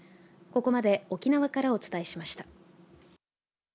ここまで沖縄からお伝えしました。